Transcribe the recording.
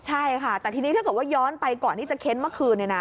ใช่ค่ะแต่ทีนี้ถ้าเกิดว่าย้อนไปก่อนที่จะเค้นเมื่อคืน